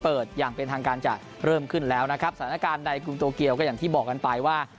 อย่างเป็นทางการจะเริ่มขึ้นแล้วนะครับสถานการณ์ในกรุงโตเกียวก็อย่างที่บอกกันไปว่า